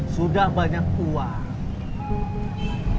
sudah banyak uang